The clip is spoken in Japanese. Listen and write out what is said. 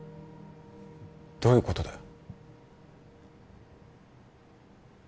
どういうことだよ